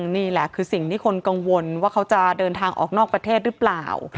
นี่แหละคือสิ่งที่คนกังวลว่าเขาจะเดินทางออกนอกประเทศหรือเปล่า